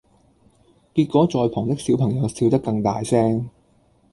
結果在旁的小朋友笑得更大聲！